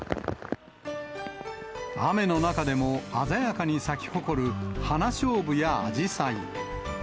雨の中でも、鮮やかに咲き誇る花しょうぶやあじさい。